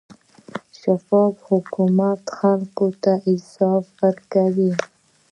شفاف حکومت خلکو ته حساب ورکوي.